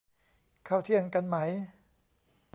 ข้าวเที่ยงกันไหม